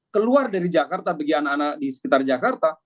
keluar dari jakarta bagi anak anak di sekitar jakarta